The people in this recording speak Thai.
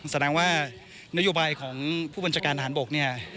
สำนักว่านโยบายของผู้บัญชาการทหารบก